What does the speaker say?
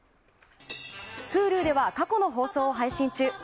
Ｈｕｌｕでは過去の放送を配信中。